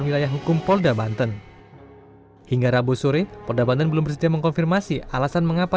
wilayah hukum polda banten hingga rabu sore polda banten belum bersedia mengkonfirmasi alasan mengapa